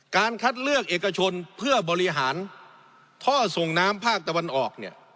การคัดเลือกเอกชนเพื่อบริหารท่อส่งน้ำภาคตะวันออกเนี่ย